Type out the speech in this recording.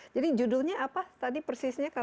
jadi judulnya apa tadi persisnya kalau